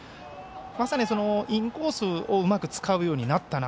まさに、インコースをうまく使うようになったな。